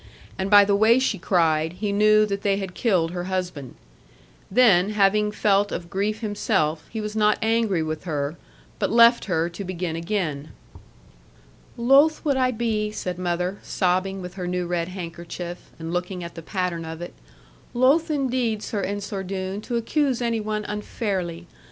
And by the way she cried he knew that they had killed her husband. Then, having felt of grief himself, he was not angry with her, but left her to begin again. 'Loth would I be,' said mother, sobbing with her new red handkerchief, and looking at the pattern of it, 'loth indeed, Sir Ensor Doone, to accuse any one unfairly.